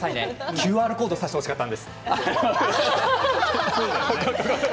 ＱＲコードを示してほしかったんです。